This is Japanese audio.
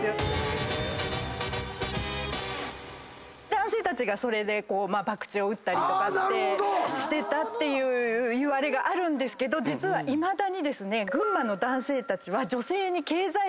男性たちがそれでばくちを打ったりとかしてたっていういわれがあるんですけど実はいまだに。